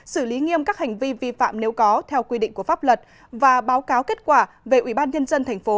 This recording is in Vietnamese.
xử lý nghiêm các hành vi vi phạm nếu có theo quy định của pháp luật và báo cáo kết quả về ủy ban nhân dân thành phố